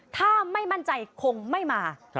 ถ้าไม่มั่นใจคงไม่มา